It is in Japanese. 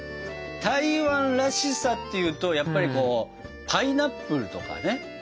台湾らしさっていうとやっぱりこうパイナップルとかね。